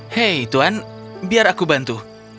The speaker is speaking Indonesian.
hei tuan biar aku bantu